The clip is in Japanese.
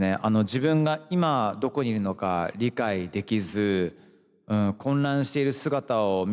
自分が今どこにいるのか理解できず混乱している姿を見たりしてるのとか。